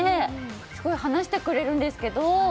すごい話してくれるんですけど。